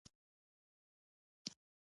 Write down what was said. غوږونه د ادب نښانې دي